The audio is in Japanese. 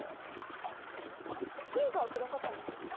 はいあっヒントはくださったんです。